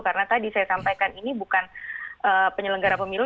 karena tadi saya sampaikan ini bukan penyelenggara pemilu